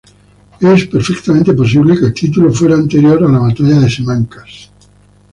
Es perfectamente posible que el título fuera anterior a la batalla de Simancas.